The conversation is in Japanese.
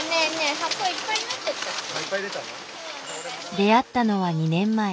出会ったのは２年前。